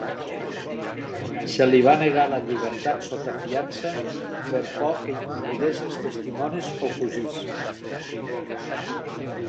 Se li va negar la llibertat sota fiança, per por que intimidés els testimonis o fugís.